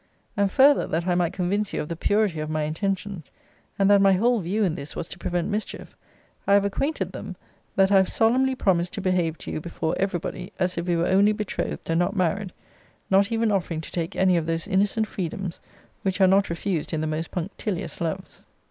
And further that I might convince you of the purity of my intentions, and that my whole view in this was to prevent mischief, I have acquainted them, 'that I have solemnly promised to behave to you before every body, as if we were only betrothed, and not married; not even offering to take any of those innocent freedoms which are not refused in the most punctilious loves.'